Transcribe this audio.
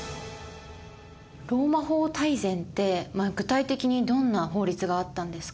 「ローマ法大全」って具体的にどんな法律があったんですか？